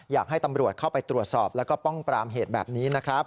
อยากให้ตำรวจเข้าไปตรวจสอบแล้วก็ป้องปรามเหตุแบบนี้นะครับ